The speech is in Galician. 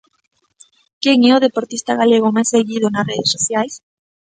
Quen é o deportista galego máis seguido nas redes sociais?